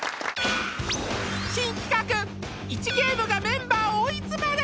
新企画イチゲームがメンバーを追い詰める！